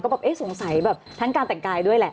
แบบเอ๊ะสงสัยแบบทั้งการแต่งกายด้วยแหละ